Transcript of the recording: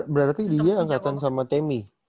berarti dia angkatan sama temmy